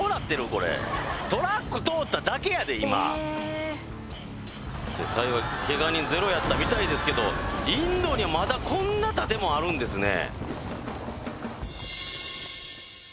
これトラック通っただけやで今幸いケガ人ゼロやったみたいですけどインドにまだこんな建物あるんですね